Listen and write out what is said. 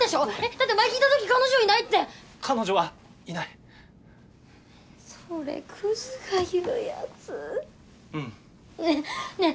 だって前聞いた時「彼女いない」って彼女はいないそれクズが言うやつうんねぇねぇ